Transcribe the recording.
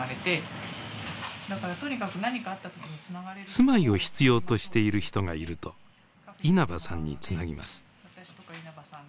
住まいを必要としている人がいると稲葉さんにつなぎます。